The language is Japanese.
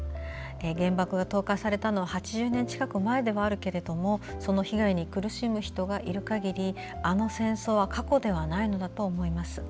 原爆を投下されたのは８０年近く前ではあるけれどもその被害に苦しむ人がいる限りあの戦争は過去ではないのだと思います。